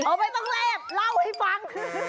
ไม่ต้องแลบเล่าให้ฟัง